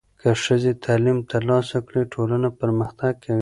که ښځې تعلیم ترلاسه کړي، ټولنه پرمختګ کوي.